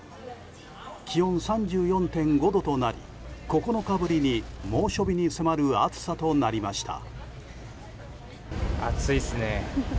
気温３４．５度となり９日ぶりに猛暑日に迫る暑さとなりました。